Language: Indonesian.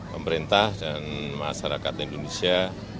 pemerintah dan masyarakat indonesia